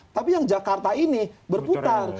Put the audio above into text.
tapi yang jakarta ini berputar